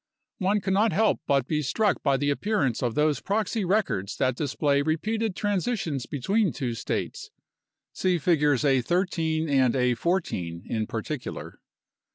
One cannot help but be struck by the appearance of those proxy records that display repeated transitions between two states (see Figures A. 13 and A. 14 in particular).